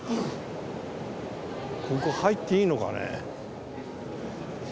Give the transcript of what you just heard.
ここ入っていいのかね？